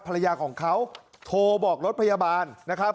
ภรรยาของเขาโทรบอกรถพยาบาลนะครับ